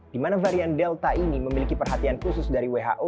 di mana varian delta ini memiliki perhatian khusus dari who